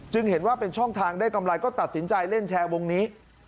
เห็นว่าเป็นช่องทางได้กำไรก็ตัดสินใจเล่นแชร์วงนี้